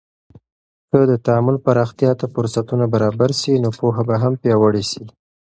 که د تعامل پراختیا ته فرصتونه برابر سي، نو پوهه به هم پیاوړې سي.